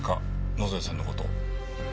野添さんの事を。